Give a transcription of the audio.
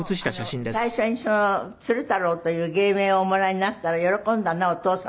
でも最初に鶴太郎という芸名をおもらいになったら喜んだのはお父様？